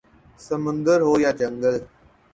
سمندر ہو یا جنگل